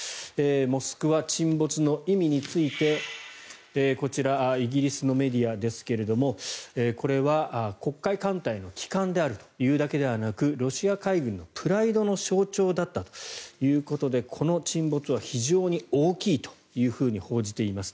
「モスクワ」沈没の意味についてこちらイギリスのメディアですがこれは黒海艦隊の旗艦であるというだけではなくロシア海軍のプライドの象徴だったということでこの沈没は非常に大きいと報じています。